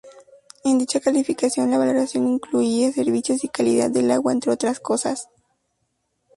En dicha calificación la valoración incluía servicios y calidad del agua entre otras cosas.